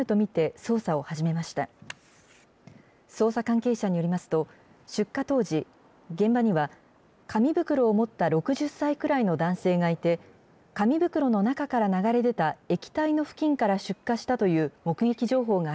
捜査関係者によりますと、出火当時、現場には紙袋を持った６０歳くらいの男性がいて、紙袋の中から流れ出た液体の付近から出火したという目撃情報があ